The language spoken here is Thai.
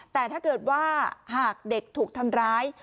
แต่ถ้าเกิดว่าหากเด็กถูกทำร้าย